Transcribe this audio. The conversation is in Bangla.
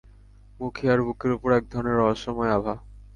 মুখে আর বুকের ওপর একধরনের রহস্যময় আভা।